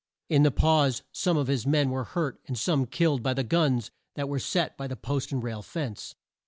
In the pause some of his men were hurt and some killed by the guns that were set by the post and rail fence.